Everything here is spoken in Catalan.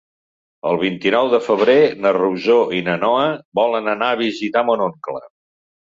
El vint-i-nou de febrer na Rosó i na Noa volen anar a visitar mon oncle.